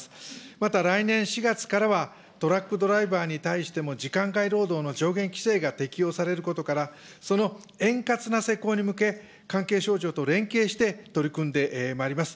また、来年４月からは、トラックドライバーに対しても、時間外労働の上限規制が適用されることから、その円滑な施行に向け、関係省庁と連携して取り組んでまいります。